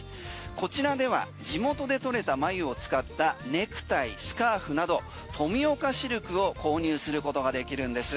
こちらでは地元で採れたまゆを使ったネクタイ、スカーフなど富岡シルクを購入することができるんです。